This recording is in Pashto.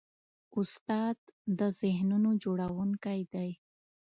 استاد د ذهنونو جوړوونکی دی.